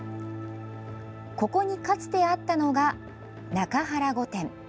ここに、かつてあったのが中原御殿。